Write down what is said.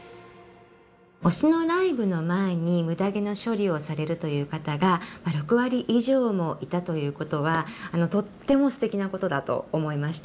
推しのライブの前にむだ毛の処理をされるという方が６割以上もいたということはとってもすてきなことだと思いました。